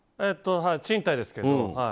賃貸ですけど。